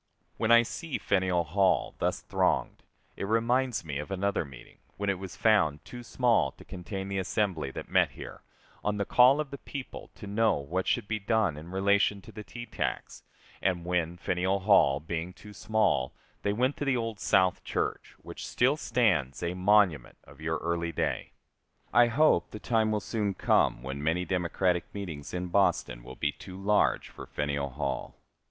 When I see Faneuil Hall thus thronged it reminds me of another meeting, when it was found too small to contain the assembly that met here, on the call of the people, to know what should be done in relation to the tea tax, and when, Faneuil Hall being too small, they went to the old South Church, which still stands a monument of your early day. I hope the time will soon come when many Democratic meetings in Boston will be too large for Faneuil Hall.